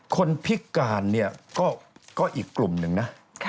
คนพิการก็อีกกลุ่มหนึ่งนะ